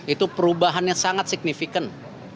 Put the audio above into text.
itu perubahannya sangat signifikan